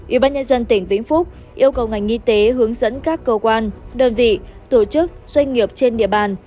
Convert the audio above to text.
ubnd tỉnh vĩnh phúc yêu cầu ngành nghi tế hướng dẫn các cơ quan đơn vị tổ chức doanh nghiệp trên địa bàn